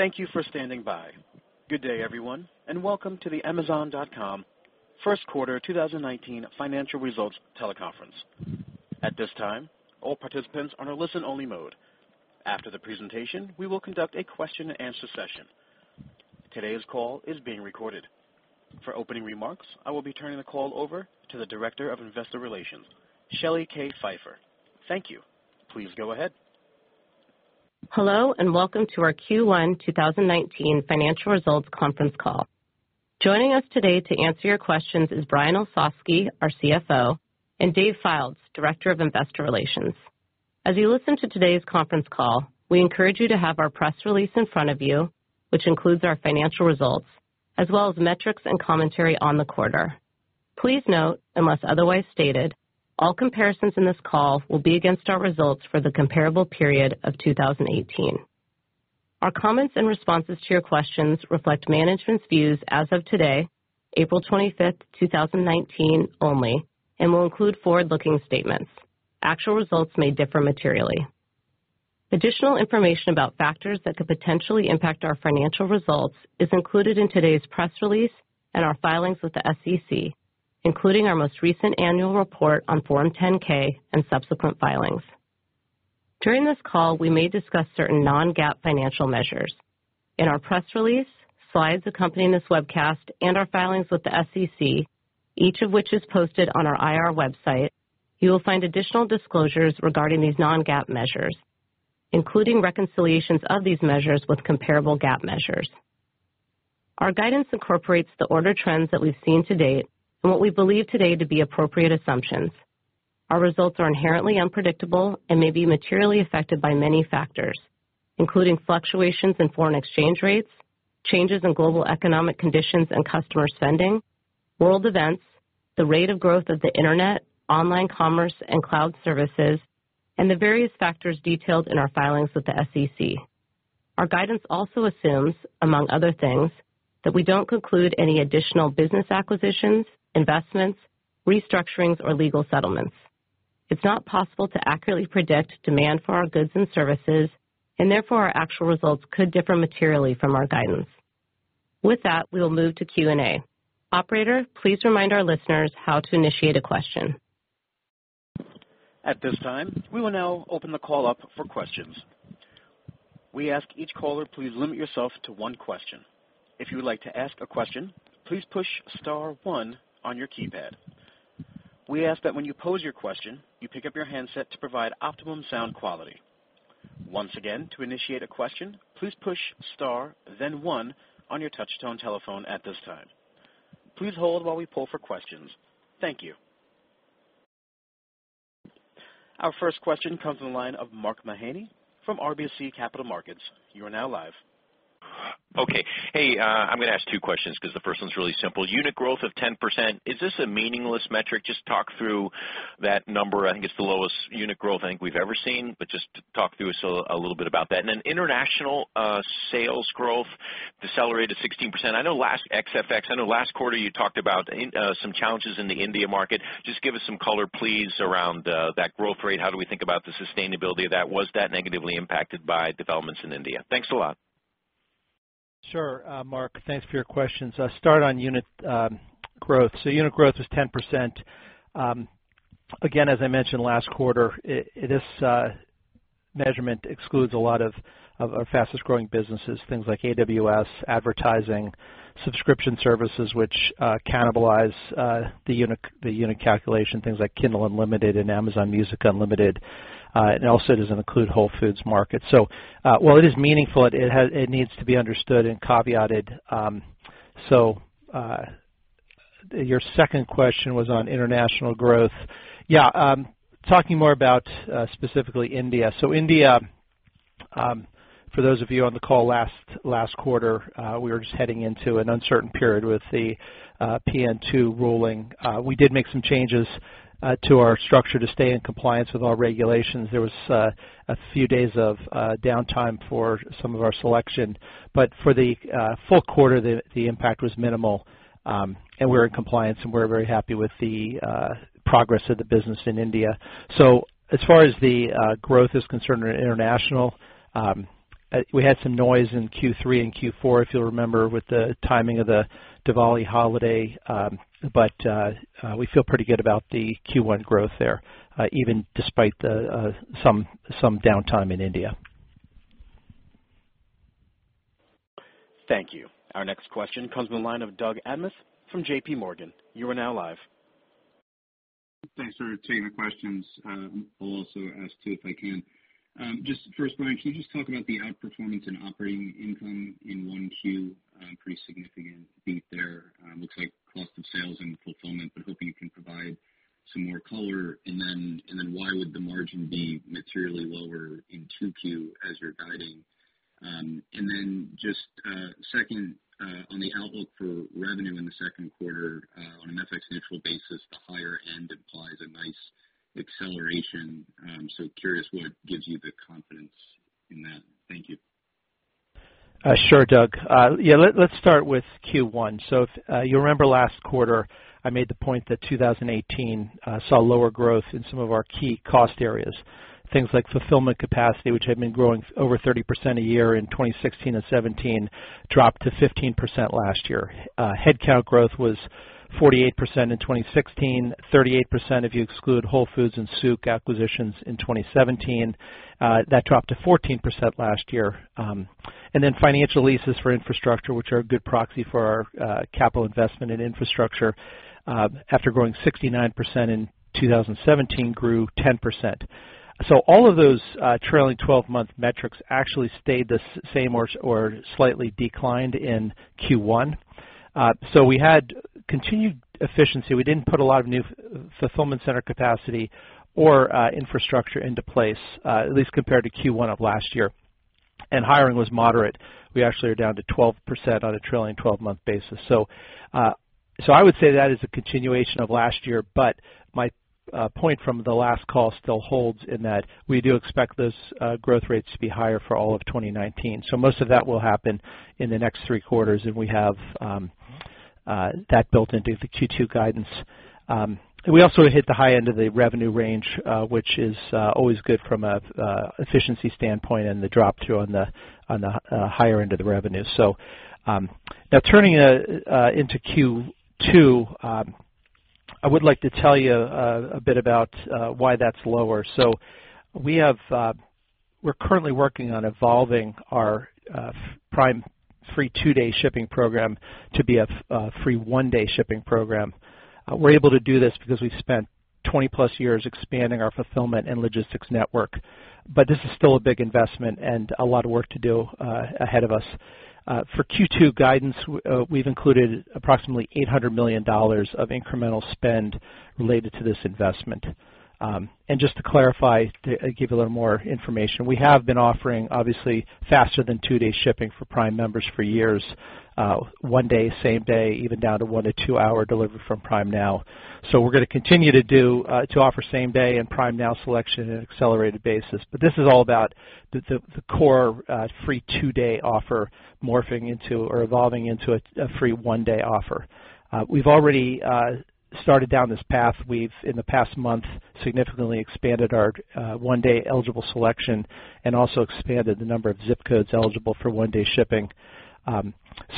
Thank you for standing by. Good day, everyone, and welcome to the Amazon.com first quarter 2019 financial results teleconference. At this time, all participants are in listen only mode. After the presentation, we will conduct a question and answer session. Today's call is being recorded. For opening remarks, I will be turning the call over to the Director of Investor Relations, Shelly K Pfeiffer. Thank you. Please go ahead. Hello and welcome to our Q1 2019 financial results conference call. Joining us today to answer your questions is Brian Olsavsky, our CFO, and Dave Fildes, Director of Investor Relations. As you listen to today's conference call, we encourage you to have our press release in front of you, which includes our financial results as well as metrics and commentary on the quarter. Please note, unless otherwise stated, all comparisons in this call will be against our results for the comparable period of 2018. Our comments and responses to your questions reflect management's views as of today, April 25, 2019, only, and will include forward-looking statements. Actual results may differ materially. Additional information about factors that could potentially impact our financial results is included in today's press release and our filings with the SEC, including our most recent annual report on Form 10-K and subsequent filings. During this call, we may discuss certain non-GAAP financial measures. In our press release, slides accompanying this webcast and our filings with the SEC, each of which is posted on our IR website, you will find additional disclosures regarding these non-GAAP measures, including reconciliations of these measures with comparable GAAP measures. Our guidance incorporates the order trends that we've seen to date and what we believe today to be appropriate assumptions. Our results are inherently unpredictable and may be materially affected by many factors, including fluctuations in foreign exchange rates, changes in global economic conditions and customer spending, world events, the rate of growth of the Internet, online commerce and cloud services, and the various factors detailed in our filings with the SEC. Our guidance also assumes, among other things, that we don't conclude any additional business acquisitions, investments, restructurings, or legal settlements. It's not possible to accurately predict demand for our goods and services, therefore our actual results could differ materially from our guidance. With that, we will move to Q&A. Operator, please remind our listeners how to initiate a question. At this time, we will now open the call up for questions. We ask each caller, please limit yourself to one question. If you would like to ask a question, please push star one on your keypad. We ask that when you pose your question, you pick up your handset to provide optimum sound quality. Once again, to initiate a question, please push star, then one on your touchtone telephone at this time. Please hold while we pull for questions. Thank you. Our first question comes from the line of Mark Mahaney from RBC Capital Markets. You are now live. Hey, I'm going to ask two questions because the first one's really simple. Unit growth of 10%, is this a meaningless metric? Just talk through that number. I think it's the lowest unit growth I think we've ever seen. Just talk through a little bit about that. Then international sales growth decelerated 16%. I know last, ex-FX, I know last quarter you talked about some challenges in the India market. Just give us some color, please, around that growth rate. How do we think about the sustainability of that? Was that negatively impacted by developments in India? Thanks a lot. Sure. Mark, thanks for your questions. I'll start on unit growth. Unit growth is 10%. Again, as I mentioned last quarter, this measurement excludes a lot of our fastest growing businesses, things like AWS, advertising, subscription services, which cannibalize the unit calculation, things like Kindle Unlimited and Amazon Music Unlimited. It also doesn't include Whole Foods Market. While it is meaningful, it needs to be understood and caveated. Your second question was on international growth. Yeah, talking more about specifically India. India, for those of you on the call last quarter, we were just heading into an uncertain period with the PN2 ruling. We did make some changes to our structure to stay in compliance with all regulations. There was a few days of downtime for some of our selection. For the full quarter, the impact was minimal, and we're in compliance, and we're very happy with the progress of the business in India. As far as the growth is concerned in international, we had some noise in Q3 and Q4, if you'll remember, with the timing of the Diwali holiday. We feel pretty good about the Q1 growth there, even despite some downtime in India. Thank you. Our next question comes from the line of Douglas Anmuth from J.P. Morgan. You are now live. Thanks for taking the questions. I will also ask two, if I can. Just first, Brian, can you just talk about the outperformance in operating income in 1Q, pretty significant beat there. Looks like cost of sales and fulfillment, but hoping you can provide some more color. Why would the margin be materially lower in 2Q as you are guiding? Just second, on the outlook for revenue in the second quarter, on an FX neutral basis, the higher end of acceleration. Curious what gives you the confidence in that. Thank you. Sure, Doug. Let's start with Q1. If you remember last quarter, I made the point that 2018 saw lower growth in some of our key cost areas. Things like fulfillment capacity, which had been growing over 30% a year in 2016 and 2017, dropped to 15% last year. Headcount growth was 48% in 2016, 38% if you exclude Whole Foods and Souq acquisitions in 2017. That dropped to 14% last year. Financial leases for infrastructure, which are a good proxy for our capital investment in infrastructure, after growing 69% in 2017, grew 10%. All of those trailing 12-month metrics actually stayed the same or slightly declined in Q1. We had continued efficiency. We didn't put a lot of new fulfillment center capacity or infrastructure into place, at least compared to Q1 of last year. Hiring was moderate. We actually are down to 12% on a trailing 12-month basis. I would say that is a continuation of last year, but my point from the last call still holds in that we do expect those growth rates to be higher for all of 2019. Most of that will happen in the next three quarters, and we have that built into the Q2 guidance. We also hit the high end of the revenue range, which is always good from an efficiency standpoint, and the drop-through on the higher end of the revenue. Now turning into Q2, I would like to tell you a bit about why that's lower. We are currently working on evolving our Prime free two-day shipping program to be a free one-day shipping program. We are able to do this because we've spent 20-plus years expanding our fulfillment and logistics network. This is still a big investment and a lot of work to do ahead of us. For Q2 guidance, we've included approximately $800 million of incremental spend related to this investment. Just to clarify, to give you a little more information, we have been offering, obviously, faster than two-day shipping for Prime members for years. One-day, same-day, even down to one- to two-hour delivery from Prime Now. We're going to continue to offer same-day and Prime Now selection in an accelerated basis. This is all about the core free two-day offer morphing into, or evolving into, a free one-day offer. We've already started down this path. We've, in the past month, significantly expanded our one-day eligible selection and also expanded the number of zip codes eligible for one-day shipping.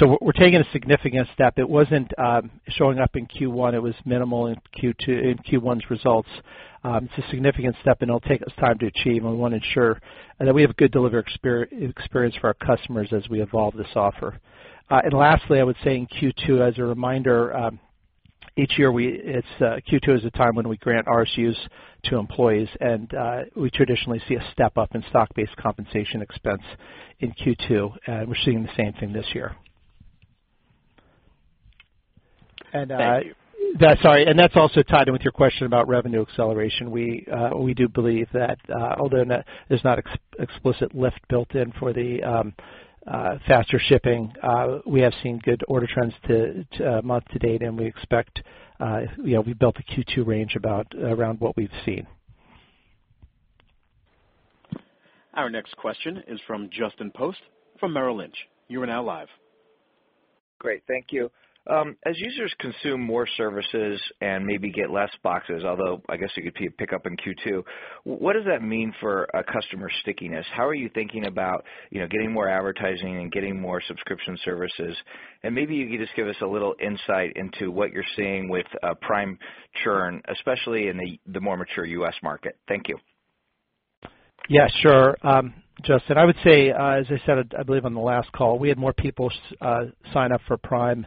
We're taking a significant step. It wasn't showing up in Q1. It was minimal in Q1's results. It's a significant step, it'll take us time to achieve, we want to ensure that we have a good delivery experience for our customers as we evolve this offer. Lastly, I would say in Q2, as a reminder, each year, Q2 is the time when we grant RSUs to employees, we traditionally see a step-up in stock-based compensation expense in Q2. We're seeing the same thing this year. Thank you. Sorry, that's also tied in with your question about revenue acceleration. We do believe that although there's not explicit lift built in for the faster shipping, we have seen good order trends month to date, we built the Q2 range around what we've seen. Our next question is from Justin Post from Merrill Lynch. You are now live. Great. Thank you. As users consume more services and maybe get less boxes, although I guess it could pick up in Q2, what does that mean for customer stickiness? How are you thinking about getting more advertising and getting more subscription services? Maybe you could just give us a little insight into what you're seeing with Prime churn, especially in the more mature U.S. market. Thank you. Yeah, sure, Justin. I would say, as I said, I believe on the last call, we had more people sign up for Prime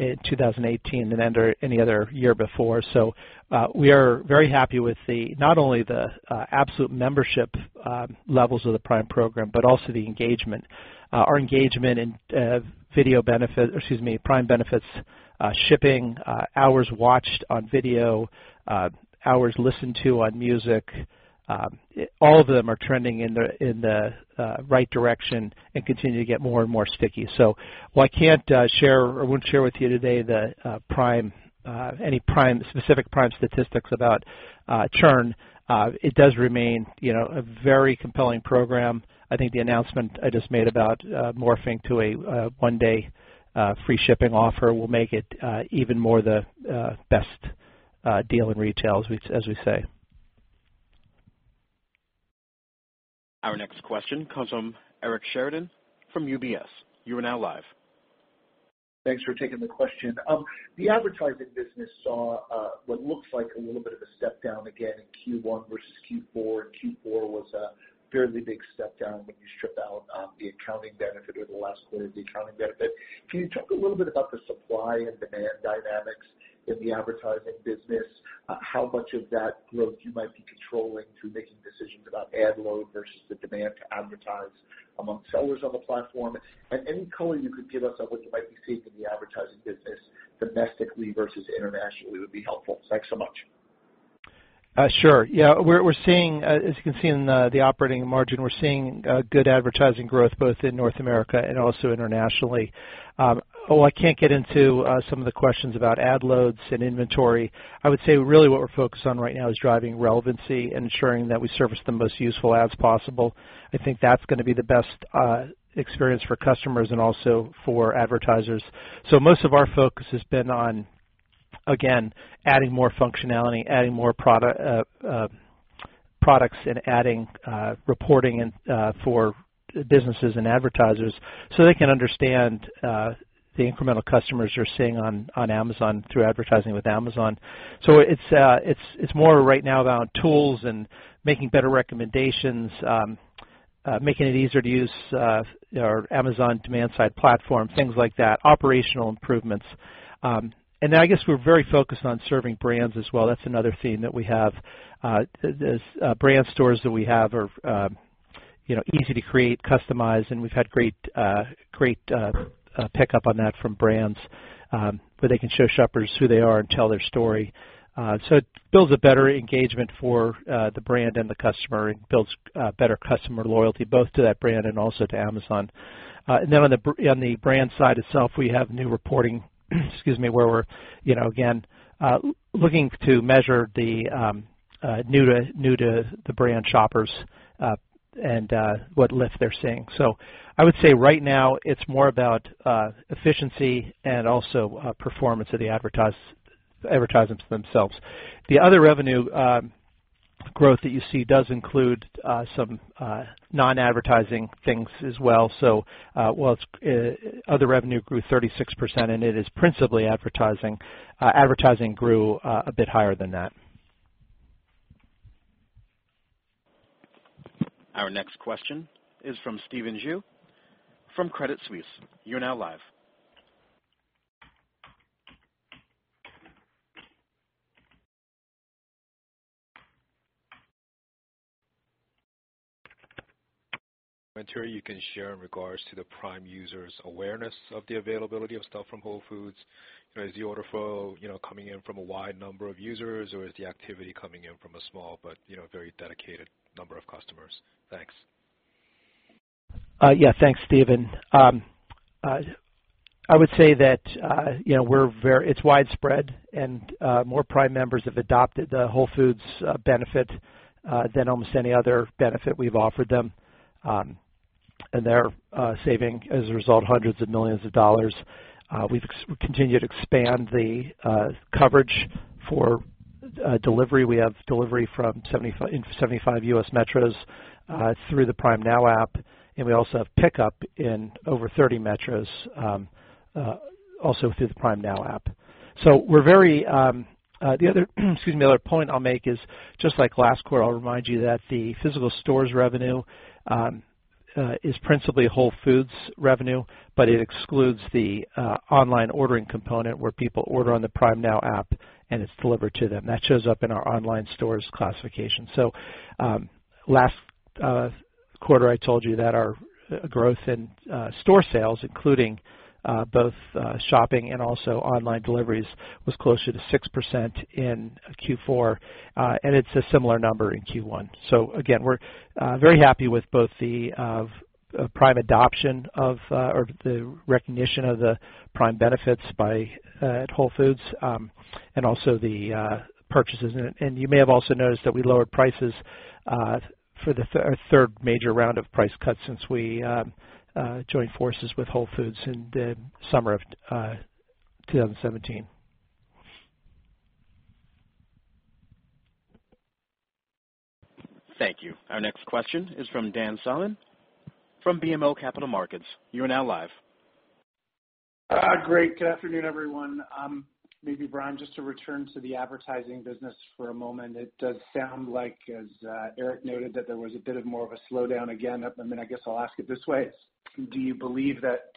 in 2018 than any other year before. We are very happy with not only the absolute membership levels of the Prime program but also the engagement. Our engagement in Prime benefits, shipping, hours watched on video, hours listened to on music, all of them are trending in the right direction and continue to get more and more sticky. While I can't share, or won't share with you today any specific Prime statistics about churn, it does remain a very compelling program. I think the announcement I just made about morphing to a one-day free shipping offer will make it even more the best deal in retail, as we say. Our next question comes from Eric Sheridan from UBS. You are now live. Thanks for taking the question. The advertising business saw what looks like a little bit of a step-down again in Q1 versus Q4. Q4 was a fairly big step-down when you strip out the accounting benefit, or the last quarter of the accounting benefit. Can you talk a little bit about the supply and demand dynamics in the advertising business? How much of that growth you might be controlling through making decisions about ad load versus the demand to advertise among sellers on the platform? Any color you could give us on what you might be seeing in the advertising business domestically versus internationally would be helpful. Thanks so much. Sure. Yeah, as you can see in the operating margin, we're seeing good advertising growth both in North America and also internationally. I can't get into some of the questions about ad loads and inventory. I would say really what we're focused on right now is driving relevancy, ensuring that we service the most useful ads possible. I think that's going to be the best experience for customers and also for advertisers. Most of our focus has been on, again, adding more functionality, adding more products, and adding reporting for businesses and advertisers so they can understand the incremental customers they're seeing on Amazon through advertising with Amazon. It's more right now about tools and making better recommendations, making it easier to use our Amazon demand-side platform, things like that, operational improvements. I guess we're very focused on serving brands as well. That's another theme that we have. The brand stores that we have are easy to create, customize, and we've had great pickup on that from brands, where they can show shoppers who they are and tell their story. It builds a better engagement for the brand and the customer and builds better customer loyalty, both to that brand and also to Amazon. On the brand side itself, we have new reporting, excuse me, where we're, again, looking to measure the new-to-the-brand shoppers, and what lift they're seeing. I would say right now it's more about efficiency and also performance of the advertisements themselves. The other revenue growth that you see does include some non-advertising things as well. While other revenue grew 36%, it is principally advertising grew a bit higher than that. Our next question is from Stephen Ju from Credit Suisse. You're now live. you can share in regards to the Prime users' awareness of the availability of stuff from Whole Foods. Is the order flow coming in from a wide number of users, or is the activity coming in from a small but very dedicated number of customers? Thanks. Yeah. Thanks, Stephen. I would say that it's widespread. More Prime members have adopted the Whole Foods benefit than almost any other benefit we've offered them. They're saving, as a result, hundreds of millions of dollars. We've continued to expand the coverage for delivery. We have delivery in 75 U.S. metros through the Prime Now app. We also have pickup in over 30 metros, also through the Prime Now app. The other excuse me, the other point I'll make is just like last quarter, I'll remind you that the physical stores revenue is principally Whole Foods revenue, but it excludes the online ordering component where people order on the Prime Now app and it's delivered to them. That shows up in our Online Stores classification. Last quarter, I told you that our growth in store sales, including both shopping and also online deliveries, was closer to 6% in Q4. It's a similar number in Q1. Again, we're very happy with both the Prime adoption of, or the recognition of the Prime benefits at Whole Foods, also the purchases. You may have also noticed that we lowered prices for the third major round of price cuts since we joined forces with Whole Foods in the summer of 2017. Thank you. Our next question is from Dan Salmon from BMO Capital Markets. You are now live. Great. Good afternoon, everyone. Maybe, Brian, just to return to the advertising business for a moment, it does sound like, as Eric noted, that there was a bit of more of a slowdown again. I guess I'll ask it this way. Do you believe that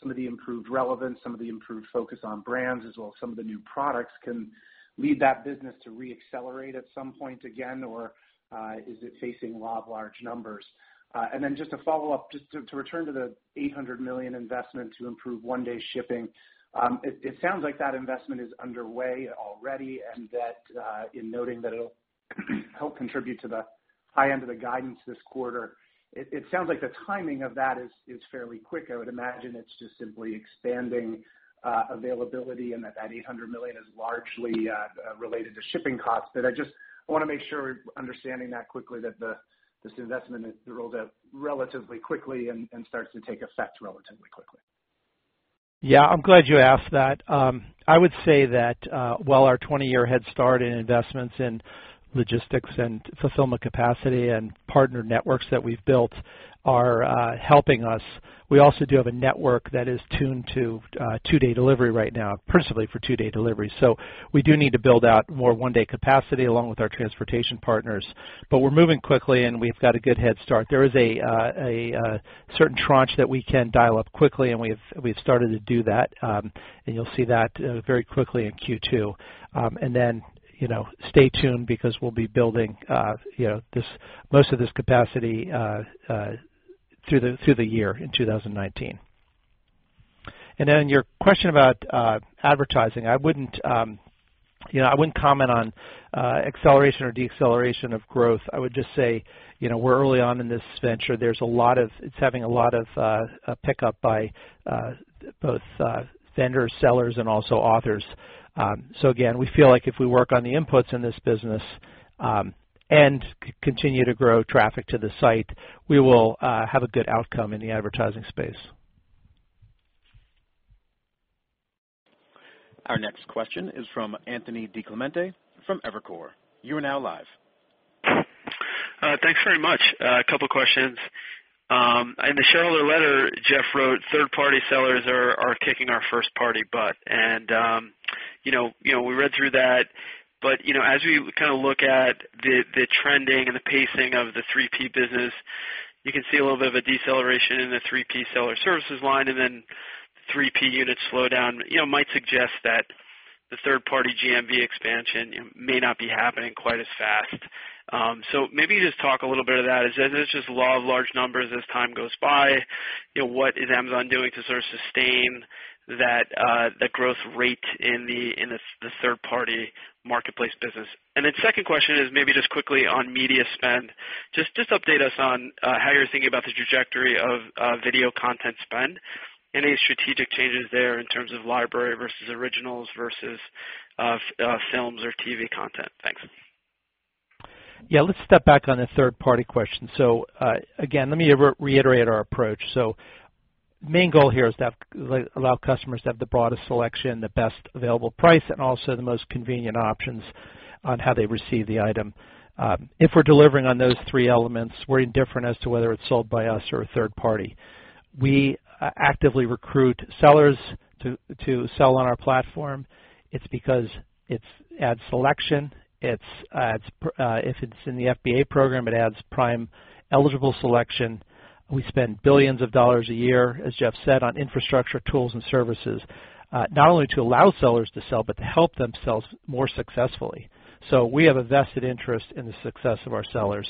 some of the improved relevance, some of the improved focus on brands, as well as some of the new products can lead that business to re-accelerate at some point again, or is it facing law of large numbers? Just to follow up, just to return to the $800 million investment to improve one-day shipping. It sounds like that investment is underway already, and that in noting that it'll help contribute to the high end of the guidance this quarter, it sounds like the timing of that is fairly quick. I would imagine it's just simply expanding availability, and that $800 million is largely related to shipping costs. I just want to make sure we're understanding that quickly, that this investment is rolled out relatively quickly and starts to take effect relatively quickly. I'm glad you asked that. I would say that while our 20-year head start in investments in logistics and fulfillment capacity and partner networks that we've built are helping us, we also do have a network that is tuned to two-day delivery right now, principally for two-day delivery. We do need to build out more one-day capacity along with our transportation partners. We're moving quickly, and we've got a good head start. There is a certain tranche that we can dial up quickly, and we've started to do that, and you'll see that very quickly in Q2. Stay tuned because we'll be building most of this capacity through the year in 2019. Your question about advertising. I wouldn't comment on acceleration or deceleration of growth. I would just say, we're early on in this venture. It's having a lot of pickup by both vendors, sellers, and also authors. Again, we feel like if we work on the inputs in this business, and continue to grow traffic to the site, we will have a good outcome in the advertising space. Our next question is from Anthony DiClemente from Evercore. You are now live. Thanks very much. A couple of questions. In the shareholder letter, Jeff wrote, "Third-party sellers are kicking our first-party butt." We read through that, but as we look at the trending and the pacing of the 3P business, you can see a little bit of a deceleration in the 3P seller services line, and then 3P units slow down, might suggest that the third-party GMV expansion may not be happening quite as fast. Maybe just talk a little bit of that. Is this just law of large numbers as time goes by? What is Amazon doing to sort of sustain that growth rate in the third-party marketplace business? Then second question is maybe just quickly on media spend. Just update us on how you're thinking about the trajectory of video content spend. Any strategic changes there in terms of library versus originals versus films or TV content? Thanks. Let's step back on the third-party question. Again, let me reiterate our approach. The main goal here is to allow customers to have the broadest selection, the best available price, and also the most convenient options on how they receive the item. If we're delivering on those three elements, we're indifferent as to whether it's sold by us or a third party. We actively recruit sellers to sell on our platform. It's because it adds selection. If it's in the FBA program, it adds Prime-eligible selection. We spend $billions a year, as Jeff said, on infrastructure, tools, and services, not only to allow sellers to sell, but to help them sell more successfully. We have a vested interest in the success of our sellers.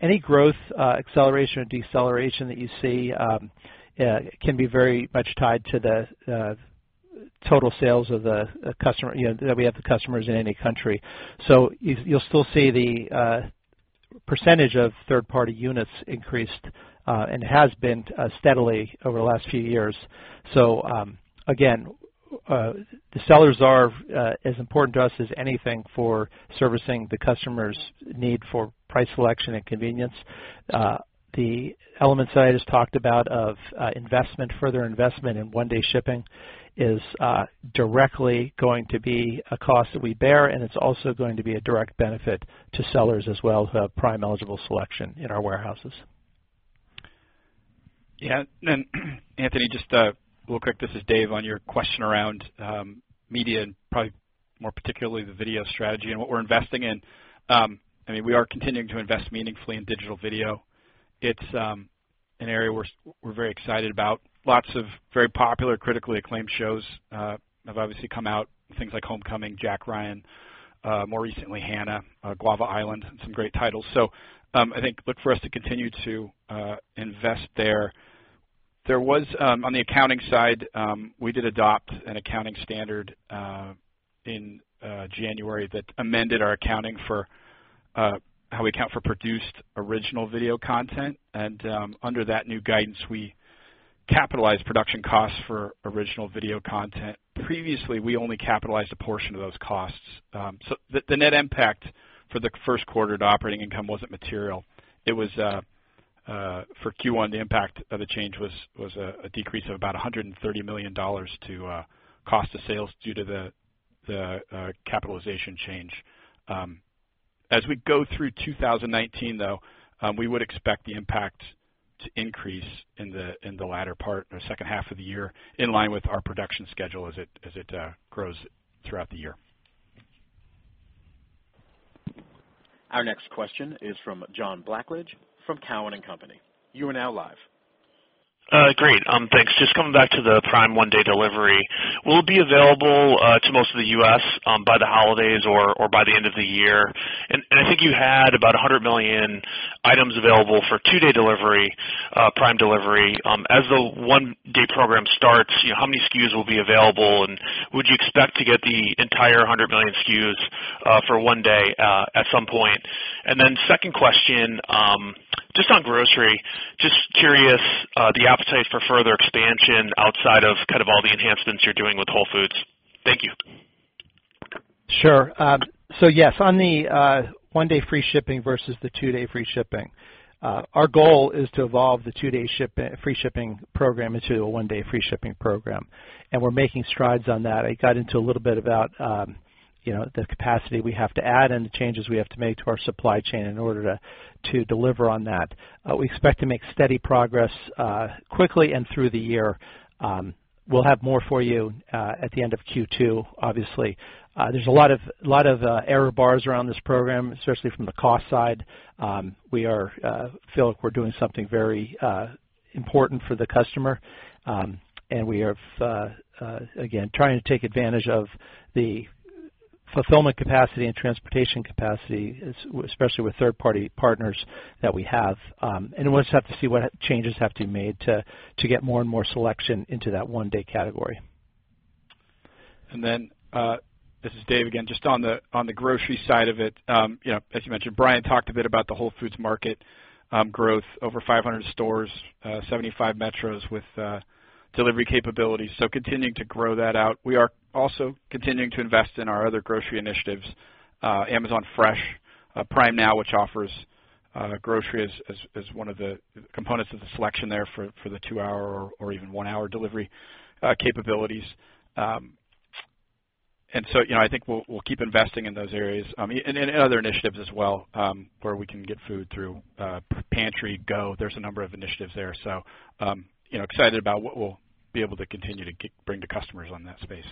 Any growth acceleration or deceleration that you see can be very much tied to the total sales that we have with customers in any country. You'll still see the percentage of third-party units increased, and has been steadily over the last few years. Again, the sellers are as important to us as anything for servicing the customer's need for price selection and convenience. The elements that I just talked about of investment, further investment in one-day shipping is directly going to be a cost that we bear, and it's also going to be a direct benefit to sellers as well who have Prime-eligible selection in our warehouses. Yeah. Anthony, just real quick, this is Dave, on your question around media, and probably more particularly the video strategy and what we're investing in. We are continuing to invest meaningfully in digital video. It's an area we're very excited about. Lots of very popular, critically acclaimed shows have obviously come out, things like "Homecoming," "Jack Ryan," more recently, "Hanna," "Guava Island," some great titles. I think look for us to continue to invest there. On the accounting side, we did adopt an accounting standard in January that amended our accounting for how we account for produced original video content, and under that new guidance, we capitalize production costs for original video content. Previously, we only capitalized a portion of those costs. The net impact for the first quarter to operating income wasn't material. For Q1, the impact of the change was a decrease of about $130 million to cost of sales due to the capitalization change. As we go through 2019, though, we would expect the impact to increase in the latter part or second half of the year, in line with our production schedule as it grows throughout the year. Our next question is from John Blackledge from Cowen and Company. You are now live. Great. Thanks. Coming back to the Prime one-day delivery. Will it be available to most of the U.S. by the holidays or by the end of the year? I think you had about 100 million items available for two-day delivery, Prime delivery. As the one-day program starts, how many SKUs will be available, and would you expect to get the entire 100 million SKUs for one day at some point? Second question, just on grocery. Curious the appetite for further expansion outside of all the enhancements you're doing with Whole Foods. Thank you. Sure. Yes, on the one-day free shipping versus the two-day free shipping. Our goal is to evolve the two-day free shipping program into a one-day free shipping program. We're making strides on that. I got into a little bit about the capacity we have to add and the changes we have to make to our supply chain in order to deliver on that. We expect to make steady progress quickly and through the year. We'll have more for you at the end of Q2, obviously. There's a lot of error bars around this program, especially from the cost side. We feel like we're doing something very important for the customer. We are, again, trying to take advantage of the fulfillment capacity and transportation capacity, especially with third-party partners that we have. We'll just have to see what changes have to be made to get more and more selection into that one-day category. This is Dave again. On the grocery side of it, as you mentioned, Brian talked a bit about the Whole Foods Market growth, over 500 stores, 75 metros with delivery capabilities, so continuing to grow that out. We are also continuing to invest in our other grocery initiatives, Amazon Fresh, Prime Now, which offers grocery as one of the components of the selection there for the two-hour or even one-hour delivery capabilities. I think we'll keep investing in those areas, and other initiatives as well, where we can get food through Amazon Pantry. There's a number of initiatives there. Excited about what we'll be able to continue to bring to customers on that space.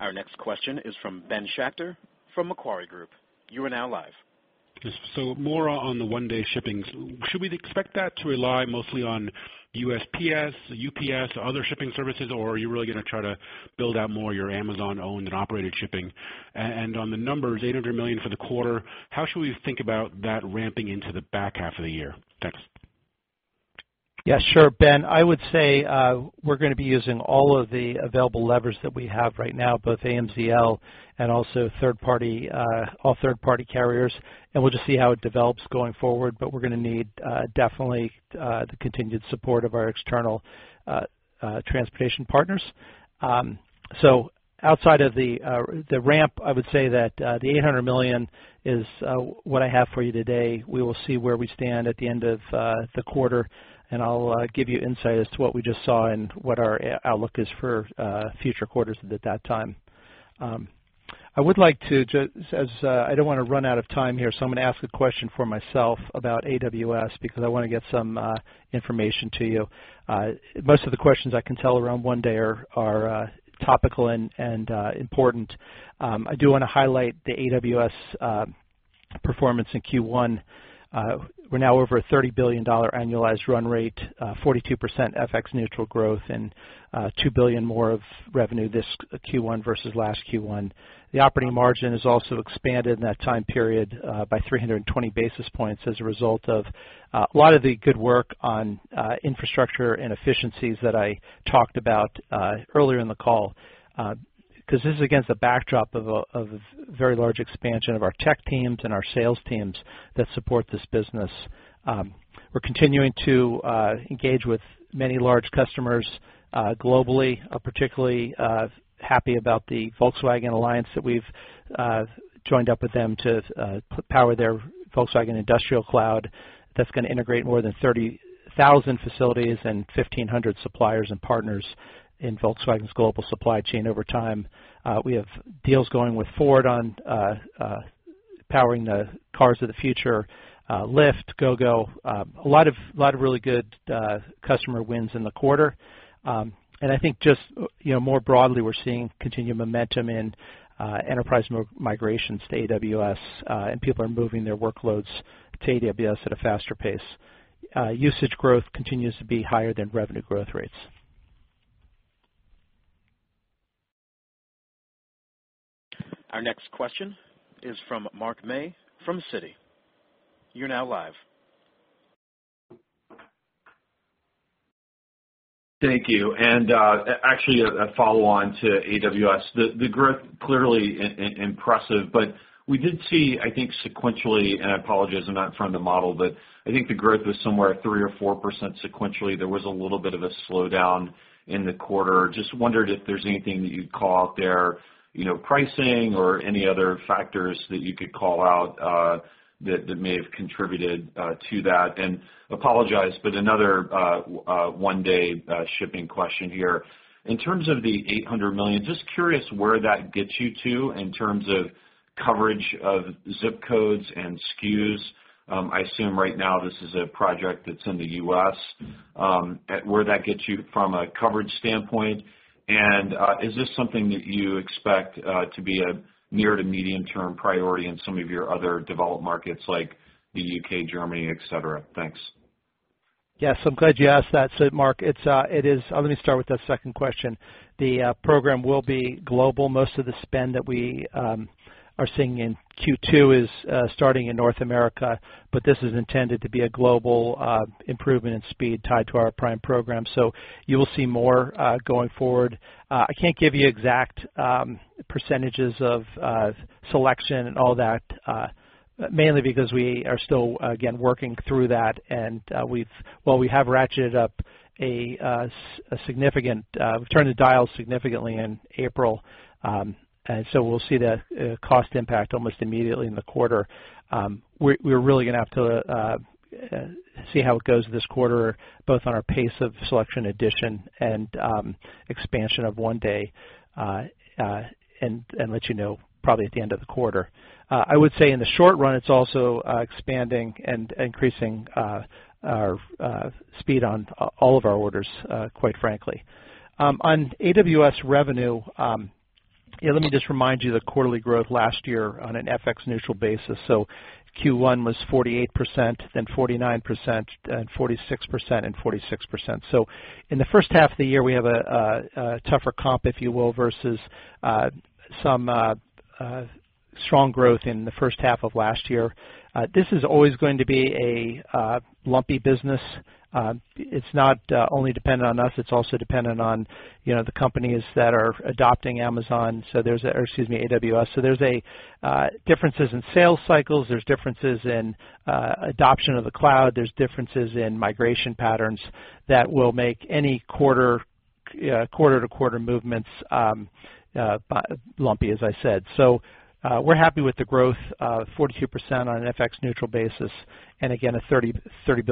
Our next question is from Ben Schachter from Macquarie Group. You are now live. Yes. More on the one-day shippings. Should we expect that to rely mostly on USPS, UPS, other shipping services, or are you really going to try to build out more of your Amazon-owned and operated shipping? On the numbers, $800 million for the quarter, how should we think about that ramping into the back half of the year? Thanks. Yeah. Sure, Ben. I would say we're going to be using all of the available levers that we have right now, both AMZL and also all third-party carriers, and we'll just see how it develops going forward. We're going to need definitely the continued support of our external transportation partners. Outside of the ramp, I would say that the $800 million is what I have for you today. We will see where we stand at the end of the quarter, and I'll give you insight as to what we just saw and what our outlook is for future quarters at that time. I don't want to run out of time here, so I'm going to ask a question for myself about AWS, because I want to get some information to you. Most of the questions I can tell around one-day are topical and important. I do want to highlight the AWS performance in Q1. We're now over a $30 billion annualized run rate, 42% FX neutral growth, $2 billion more of revenue this Q1 versus last Q1. The operating margin has also expanded in that time period by 320 basis points as a result of a lot of the good work on infrastructure and efficiencies that I talked about earlier in the call. This is against a backdrop of a very large expansion of our tech teams and our sales teams that support this business. We're continuing to engage with many large customers globally. Particularly happy about the Volkswagen alliance that we've joined up with them to power their Volkswagen Industrial Cloud. That's going to integrate more than 30,000 facilities and 1,500 suppliers and partners in Volkswagen's global supply chain over time. We have deals going with Ford on powering the cars of the future, Lyft, Gogo, a lot of really good customer wins in the quarter. I think just more broadly, we're seeing continued momentum in enterprise migrations to AWS, and people are moving their workloads to AWS at a faster pace. Usage growth continues to be higher than revenue growth rates. Our next question is from Mark May from Citi. You're now live. Thank you. Actually, a follow-on to AWS. The growth clearly impressive, but we did see, I think, sequentially, and I apologize, I'm not in front of the model, but I think the growth was somewhere at 3% or 4% sequentially. There was a little bit of a slowdown in the quarter. Just wondered if there's anything that you'd call out there, pricing or any other factors that you could call out that may have contributed to that. Apologize, but another one-day shipping question here. In terms of the $800 million, just curious where that gets you to in terms of coverage of zip codes and SKUs. I assume right now this is a project that's in the U.S., where that gets you from a coverage standpoint, and is this something that you expect to be a near to medium-term priority in some of your other developed markets like the U.K., Germany, et cetera? Thanks. Mark, let me start with that second question. The program will be global. Most of the spend that we are seeing in Q2 is starting in North America, but this is intended to be a global improvement in speed tied to our Prime program. You will see more going forward. I can't give you exact percentages of selection and all that, mainly because we are still, again, working through that. We've turned the dial significantly in April. We'll see the cost impact almost immediately in the quarter. We're really going to have to see how it goes this quarter, both on our pace of selection addition and expansion of one-day, and let you know probably at the end of the quarter. I would say in the short run, it's also expanding and increasing our speed on all of our orders, quite frankly. On AWS revenue. Let me just remind you the quarterly growth last year on an FX neutral basis. Q1 was 48%, then 49%, then 46% and 46%. In the first half of the year, we have a tougher comp, if you will, versus some strong growth in the first half of last year. This is always going to be a lumpy business. It's not only dependent on us, it's also dependent on the companies that are adopting Amazon, or excuse me, AWS. There's differences in sales cycles, there's differences in adoption of the cloud, there's differences in migration patterns that will make any quarter to quarter movements lumpy, as I said. We're happy with the growth, 42% on an FX neutral basis, and again, greater than a $30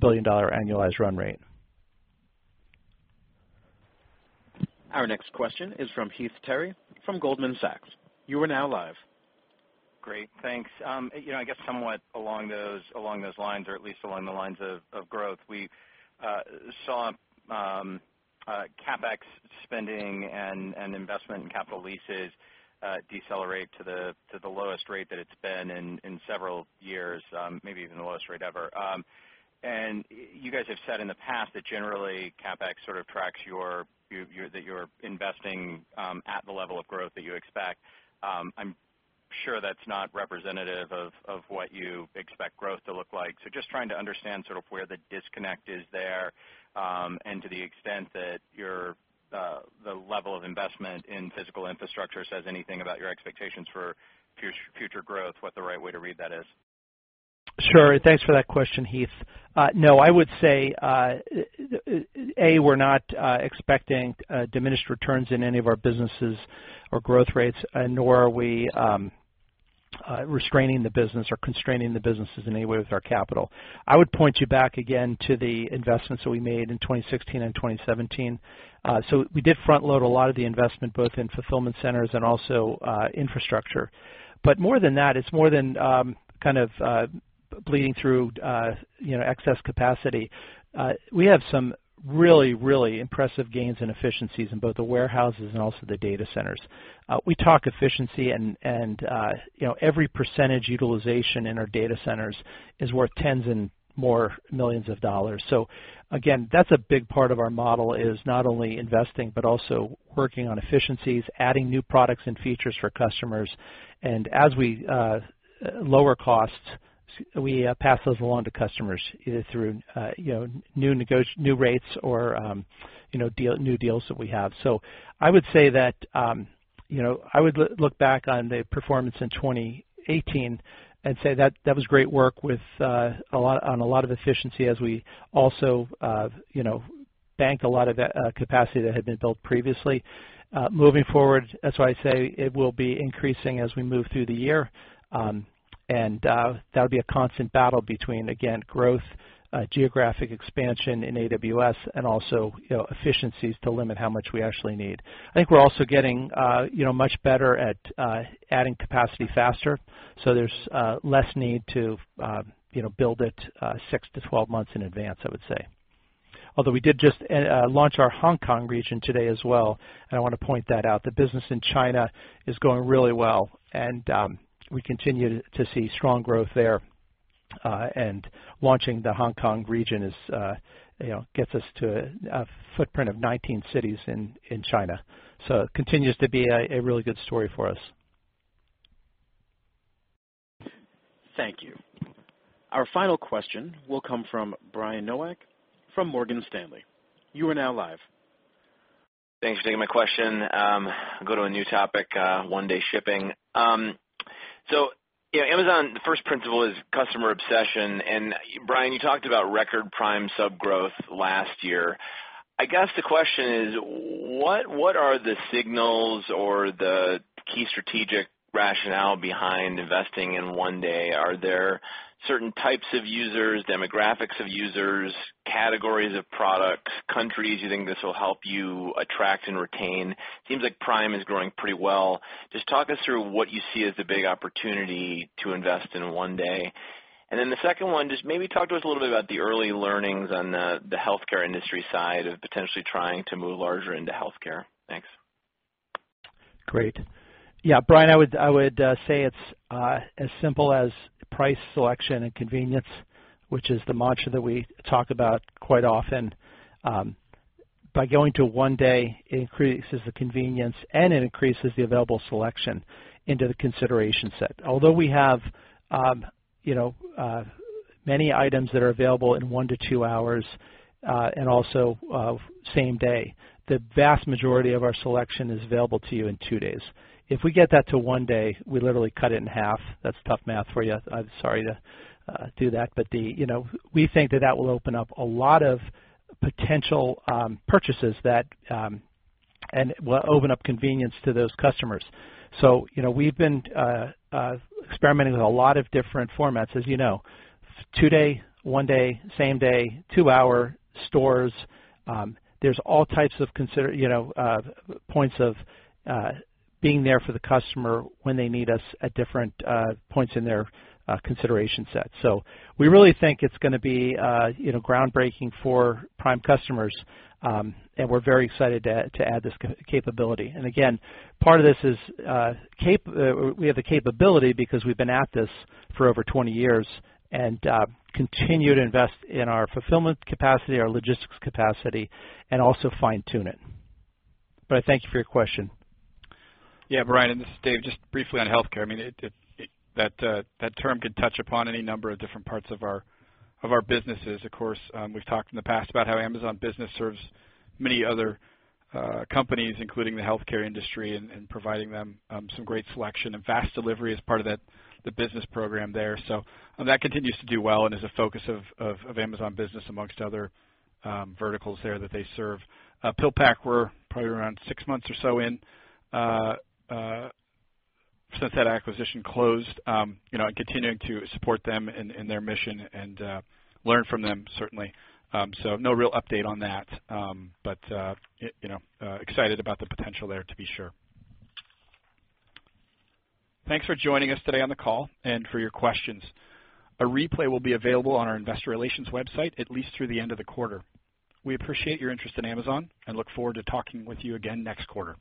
billion annualized run rate. Our next question is from Heath Terry from Goldman Sachs. You are now live. Great, thanks. I guess somewhat along those lines, or at least along the lines of growth, we saw CapEx spending and investment in capital leases decelerate to the lowest rate that it's been in several years, maybe even the lowest rate ever. You guys have said in the past that generally CapEx sort of tracks that you're investing at the level of growth that you expect. I'm sure that's not representative of what you expect growth to look like. Just trying to understand sort of where the disconnect is there, and to the extent that the level of investment in physical infrastructure says anything about your expectations for future growth, what the right way to read that is. Sure. Thanks for that question, Heath. No, I would say, A, we're not expecting diminished returns in any of our businesses or growth rates, nor are we restraining the business or constraining the businesses in any way with our capital. I would point you back again to the investments that we made in 2016 and 2017. We did front-load a lot of the investment, both in fulfillment centers and also infrastructure. More than that, it's more than kind of bleeding through excess capacity. We have some really, really impressive gains in efficiencies in both the warehouses and also the data centers. We talk efficiency and every percentage utilization in our data centers is worth tens and more millions of dollars. Again, that's a big part of our model, is not only investing but also working on efficiencies, adding new products and features for customers. As we lower costs, we pass those along to customers, either through new rates or new deals that we have. I would say that I would look back on the performance in 2018 and say that was great work on a lot of efficiency as we also bank a lot of that capacity that had been built previously. Moving forward, that's why I say it will be increasing as we move through the year. That'll be a constant battle between, again, growth, geographic expansion in AWS, and also efficiencies to limit how much we actually need. I think we're also getting much better at adding capacity faster, so there's less need to build it 6 to 12 months in advance, I would say. Although we did just launch our Hong Kong region today as well, and I want to point that out. The business in China is going really well, and we continue to see strong growth there. Launching the Hong Kong region gets us to a footprint of 19 cities in China. It continues to be a really good story for us. Thank you. Our final question will come from Brian Nowak from Morgan Stanley. You are now live. Thanks for taking my question. I'll go to a new topic, One Day Shipping. Amazon, the first principle is customer obsession. Brian, you talked about record Prime sub growth last year. I guess the question is: what are the signals or the key strategic rationale behind investing in One Day? Are there certain types of users, demographics of users, categories of products, countries you think this will help you attract and retain? Seems like Prime is growing pretty well. Just talk us through what you see as the big opportunity to invest in One Day. The second one, just maybe talk to us a little bit about the early learnings on the healthcare industry side of potentially trying to move larger into healthcare. Thanks. Great. Brian, I would say it's as simple as price, selection, and convenience, which is the mantra that we talk about quite often. By going to One Day, it increases the convenience and it increases the available selection into the consideration set. Although we have many items that are available in one to two hours, and also same day, the vast majority of our selection is available to you in two days. If we get that to one day, we literally cut it in half. That's tough math for you. I'm sorry to do that, but we think that that will open up a lot of potential purchases, and it will open up convenience to those customers. We've been experimenting with a lot of different formats as you know. Two-day, one-day, same day, two-hour stores. There's all types of points of being there for the customer when they need us at different points in their consideration set. We really think it's going to be groundbreaking for Prime customers. We're very excited to add this capability. Again, part of this is we have the capability because we've been at this for over 20 years, and continue to invest in our fulfillment capacity, our logistics capacity, and also fine-tune it. Brian, thank you for your question. Yeah, Brian, this is Dave, just briefly on healthcare. That term could touch upon any number of different parts of our businesses. Of course, we've talked in the past about how Amazon Business serves many other companies, including the healthcare industry, and providing them some great selection, and fast delivery is part of the business program there. That continues to do well and is a focus of Amazon Business amongst other verticals there that they serve. PillPack, we're probably around six months or so in since that acquisition closed, and continuing to support them in their mission and learn from them, certainly. No real update on that. Excited about the potential there to be sure. Thanks for joining us today on the call and for your questions. A replay will be available on our investor relations website at least through the end of the quarter. We appreciate your interest in Amazon and look forward to talking with you again next quarter.